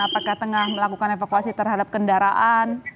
apakah tengah melakukan evakuasi terhadap kendaraan